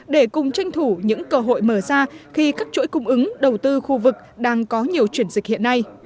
để cùng tranh thủ những cơ hội mở ra khi các chuỗi cung ứng đầu tư khu vực đang có nhiều chuyển dịch hiện nay